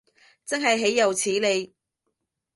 真係豈有此理